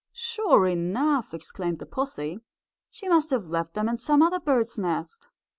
"Sure enough!" exclaimed the pussy. "She must have left them in some other bird's nest."